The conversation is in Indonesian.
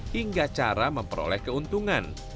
hingga cara memperoleh keuntungan